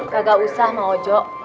kagak usah mak ojo